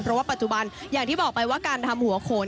เพราะว่าปัจจุบันอย่างที่บอกไปว่าการทำหัวโขน